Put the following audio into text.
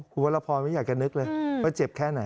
คุณวรพรไม่อยากจะนึกเลยว่าเจ็บแค่ไหน